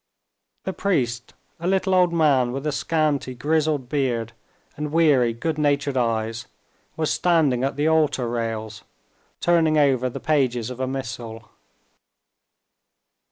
The priest, a little old man with a scanty grizzled beard and weary, good natured eyes, was standing at the altar rails, turning over the pages of a missal.